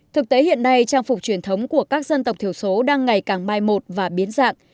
thực tế hiện nay trang phục truyền thống của các dân tộc thiểu số đang ngày càng mai một và biến dạng